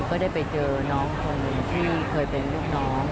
ก็ได้ไปเจอน้องคนหนึ่งที่เคยเป็นลูกน้อง